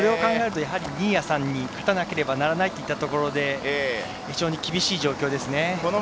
新谷さんに勝たなければならないというところで非常に厳しい状況ですね。